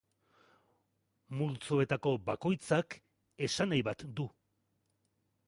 Multzoetako bakoitzak, esanahi bat du.